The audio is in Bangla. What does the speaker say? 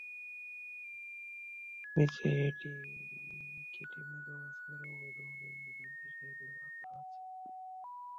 নিশ্চয়ই এটি কেটে মাইক্রোবাস করে অবৈধভাবে অ্যাম্বুলেন্স হিসেবে ব্যবহার করা হচ্ছে।